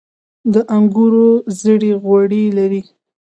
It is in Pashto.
د انګورو زړې غوړي لري.